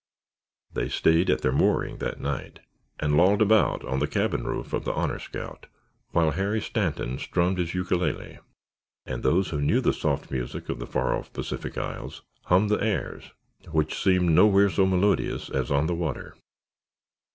They stayed at their mooring that night and lolled about on the cabin roof of the Honor Scout while Harry Stanton strummed his ukulele and those who knew the soft music of the far off Pacific isles hummed the airs which seem nowhere so melodious as on the water.